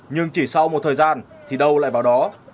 nhưng chỉ sau một thời gian thì đâu lại vào đó